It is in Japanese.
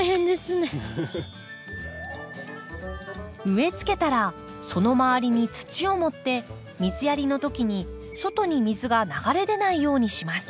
植えつけたらその周りに土を盛って水やりの時に外に水が流れ出ないようにします。